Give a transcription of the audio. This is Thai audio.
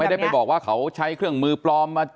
ได้ไปบอกว่าเขาใช้เครื่องมือปลอมมา